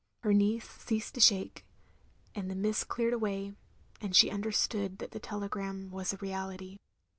Her knees ceased to shake, and the mists cleared away, and she tmderstood that the tele gram was a reality.